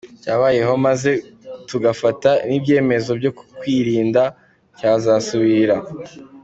cyabayeho, maze tugafata nibyemezo byo kwirinda ko cyazasubira.